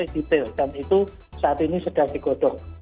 ini harus sampai detail dan itu saat ini sedang digodoh